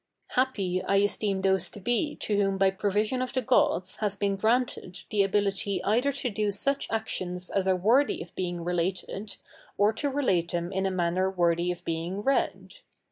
Happy I esteem those to be to whom by provision of the gods has been granted the ability either to do such actions as are worthy of being related or to relate them in a manner worthy of being read.